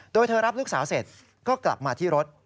โดยเธอรับลูกสาวเสร็จก็กลับมาที่รถ